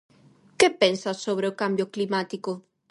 Que pensas sobre o cambio climático?